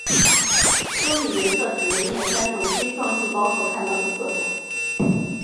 生理原色指人眼三种锥状细胞所看到的色彩。